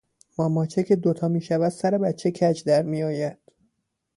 ماماچه که دو تا میشود سر بچه کج درمیاید